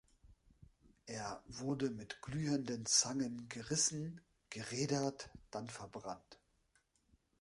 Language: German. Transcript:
Er wurde mit glühenden Zangen gerissen, gerädert, dann verbrannt.